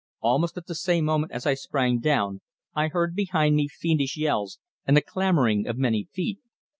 Almost at the same moment as I sprang down I heard behind me fiendish yells and the clambering of many feet.